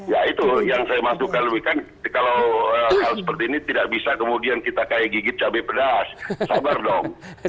ya itu yang saya masukkan lebih kan kalau hal seperti ini tidak bisa kemudian kita kayak gigit cabai pedas sabar dong